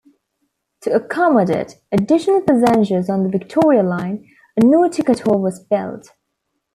To accommodate additional passengers on the Victoria line, a new ticket hall was built.